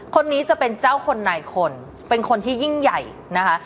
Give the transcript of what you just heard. คนนี้จะเป็นเจ้าคนนายคนเป็นคนที่ยิ่งใหญ่นะคะ